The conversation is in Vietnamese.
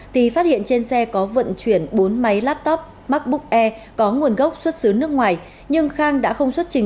thì phát hiện trên xe có vận chuyển bốn máy laptop macbook e có nguồn gốc xuất xứ nước ngoài nhưng khang đã không xuất trình